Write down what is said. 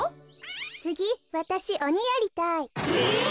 つぎわたしおにやりたい。え！？